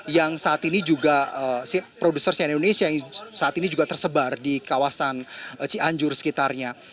yang saat ini juga produser cnn indonesia yang saat ini juga tersebar di kawasan cianjur sekitarnya